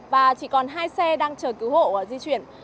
và chỉ còn hai xe đang chờ cứu hộ di chuyển